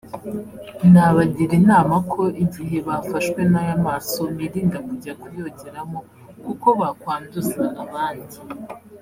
nabagira inama ko igihe bafashwe n’aya maso birinda kujya kuyogeramo kuko bakwanduza abandi